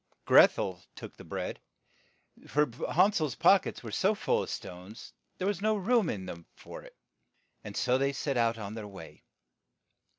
Greth el took the bread, for Han sel's pock ets were so full of stones there was no room in them for it, and so they all set out on their way.